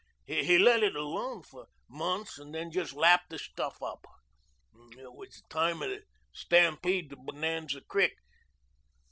He'd let it alone for months and then just lap the stuff up. It was the time of the stampede to Bonanza Creek.